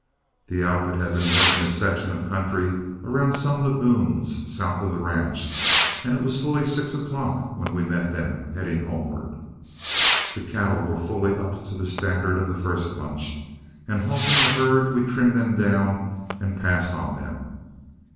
The outfit had been working a section of country around some lagoons, south of the ranch, and it was fully six o'clock when we met them, heading homeward. The cattle were fully up to the standard of the first bunch, and halting the herd we trimmed them down and passed on them.